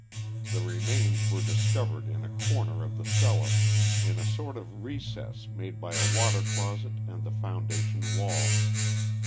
The remains were discovered in a corner of the cellar, in a sort of recess made by a water closet and the foundation wall.